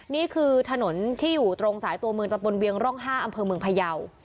นี่คือถนนที่อยู่ตรงสายตัวเมืองตะบนเวียงร่อง๕อำเภอเมืองพยาว